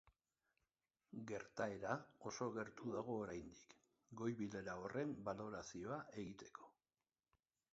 Gertaera oso gertu dago oraindik goi bilera horren balorazioa egiteko.